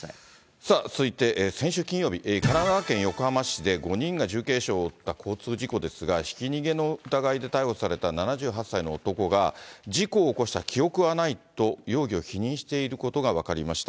さあ、続いて先週金曜日、神奈川県横浜市で５人が重軽傷を負った交通事故ですが、ひき逃げの疑いで逮捕された７８歳の男が、事故を起こした記憶はないと容疑を否認していることが分かりました。